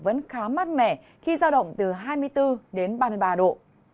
vẫn khá mát mẻ khi giao động từ hai mươi bốn đến ba mươi ba độ